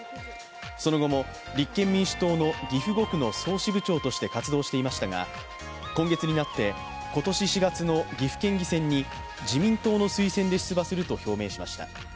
その後も立憲民主党の岐阜５区の総支部長として活動していましたが今月になって、今年４月の岐阜県議選に自民党の推薦で出馬すると表明しました。